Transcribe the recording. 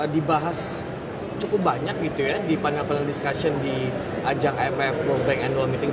dibahas cukup banyak gitu ya di panel panel discussion di ajang imf world bank annual meeting